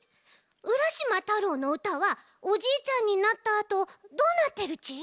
「浦島太郎」のうたはおじいちゃんになったあとどうなってるち？